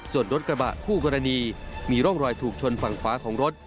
ส่วนรถกระบะคู่กรณีมีร่องรอยถูกชนฝั่งขวาของรถ